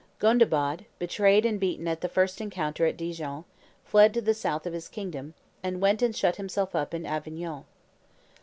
Gondebaud, betrayed and beaten at the first encounter at Dijon, fled to the south of his kingdom, and went and shut himself up in Avignon.